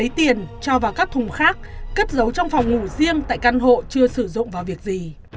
lấy tiền cho vào các thùng khác cất giấu trong phòng ngủ riêng tại căn hộ chưa sử dụng vào việc gì